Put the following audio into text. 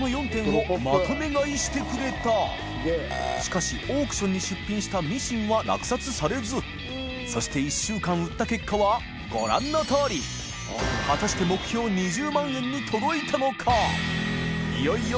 甘世まとめ買いしてくれた磴靴オークションに出品したミシンは落札されず磴修靴１週間売った結果はご覧の通り祺未燭靴董帖磴い茲い茵